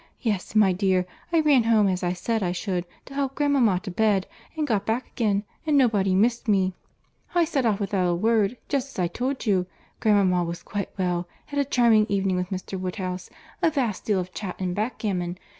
—Yes, my dear, I ran home, as I said I should, to help grandmama to bed, and got back again, and nobody missed me.—I set off without saying a word, just as I told you. Grandmama was quite well, had a charming evening with Mr. Woodhouse, a vast deal of chat, and backgammon.